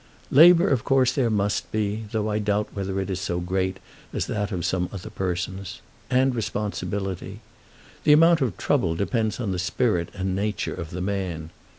"Labour of course there must be, though I doubt whether it is so great as that of some other persons; and responsibility. The amount of trouble depends on the spirit and nature of the man.